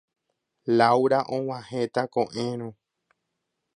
Laura og̃uahẽta ko'ẽrõ.